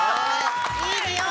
◆いい匂い！